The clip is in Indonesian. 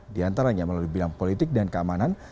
di antaranya melalui bidang politik dan keamanan